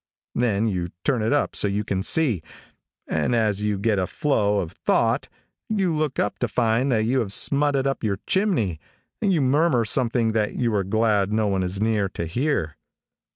Then you turn it up so you can see, and as you get a flow of thought you look up to find that you have smutted up your chimney, and you murmur something that you are glad no one is near to hear.